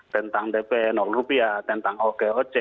tentang dp rupiah tentang okoc